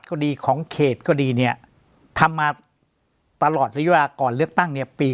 ก็ดีของเขตก็ดีเนี่ยทำมาตลอดระยะเวลาก่อนเลือกตั้งเนี่ยปี